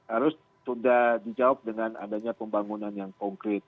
harus sudah dijawab dengan adanya pembangunan yang konkret